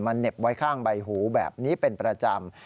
เหน็บไว้ข้างใบหูแบบนี้เป็นประจำ